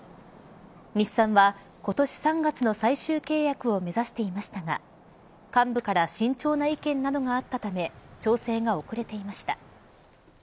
日産は今年３月の最終契約を目指していましたが幹部から慎重な意見などがあったため調整が遅れていました。